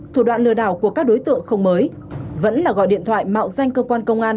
thủ đoạn lừa đảo của các đối tượng không mới vẫn là gọi điện thoại mạo danh cơ quan công an